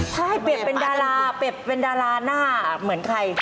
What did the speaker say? ถ้าให้เปรียบเป็นดาราเปรียบเป็นดาราหน้าเหมือนใคร